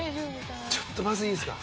ちょっとまずいいですか？